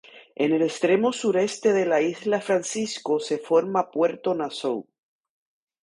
En el extremo sureste de la isla Francisco se forma puerto Nassau.